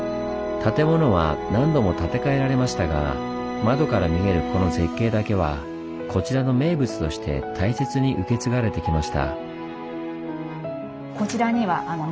建物は何度も建て替えられましたが窓から見えるこの絶景だけはこちらの名物として大切に受け継がれてきました。